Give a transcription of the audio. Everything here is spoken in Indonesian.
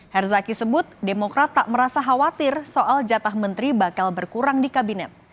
herzaki sebut demokrat tak merasa khawatir soal jatah menteri bakal berkurang di kabinet